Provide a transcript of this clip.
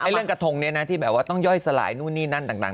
เรื่องกระทงที่แบบว่าต้องย่อยสลายนู่นนี่นั่นต่าง